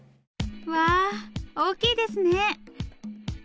うわ大きいですね。